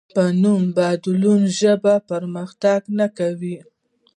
په نوم بدلولو ژبه پرمختګ نه کوي.